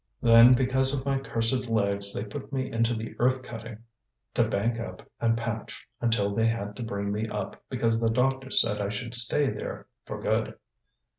Then, because of my cursed legs, they put me into the earth cutting, to bank up and patch, until they had to bring me up, because the doctor said I should stay there for good.